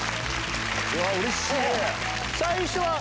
うれしい！